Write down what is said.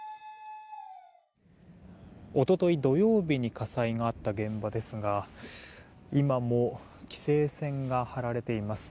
一昨日、土曜日に火災があった現場ですが今も規制線が張られています。